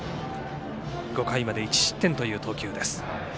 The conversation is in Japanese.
５回まで１失点という投球です。